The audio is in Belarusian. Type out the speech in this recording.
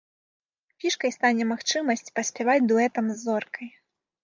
Фішкай стане магчымасць паспяваць дуэтам з зоркай.